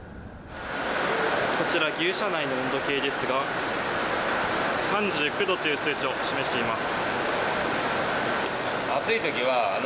こちら牛舎内の温度計ですが３９度という数値を示しています。